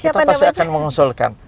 kita pasti akan mengusulkan